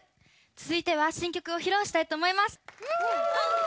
続いては新曲を披露したいと思います。